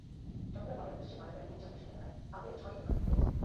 চট্টগ্রাম নগরের পশ্চিম মাদারবাড়ী গোগীচান মসজিদ এলাকায় আগুনে ছয়টি দোকান পুড়ে গেছে।